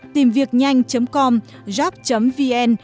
tìmviệcnhanh com job vn chọnviệc com calculing vn